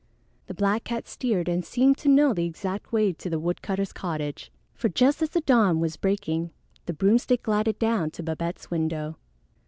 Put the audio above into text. The black cat steered and seemed to know the exact way to the woodcutter's cottage, for just as the dawn was breaking the broomstick glided down to Babette's window.